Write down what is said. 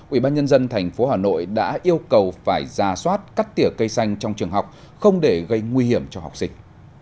ubnd tp hà nội đã yêu cầu phải ra soát cắt tỉa cây xanh trong trường học không để gây nguy hiểm cho học sinh